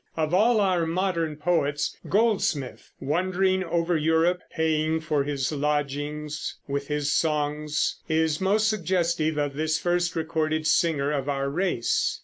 Of all our modern poets, Goldsmith wandering over Europe paying for his lodging with his songs is most suggestive of this first recorded singer of our race.